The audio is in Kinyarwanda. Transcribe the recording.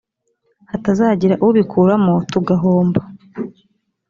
hatazagira ubikuramo tugahomba